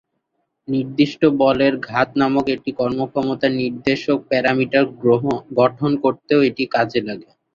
নির্দিষ্ট বলের ঘাত নামক একটি কর্মক্ষমতা নির্দেশক প্যারামিটার গঠন করতেও এটি কাজে লাগে।